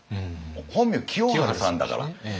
本名清張さんだから。